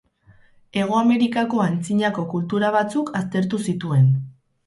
Hego Amerikako antzinako kultura batzuk aztertu zituen.